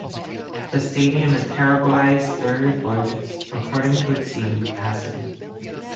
The stadium is Paraguay's third largest, according to its seating capacity.